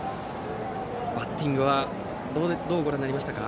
バッティングはどうご覧になりましたか。